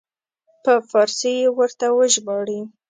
په فارسي یې ورته وژباړي.